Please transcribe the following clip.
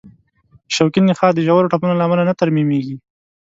شوکي نخاع د ژورو ټپونو له امله نه ترمیمېږي.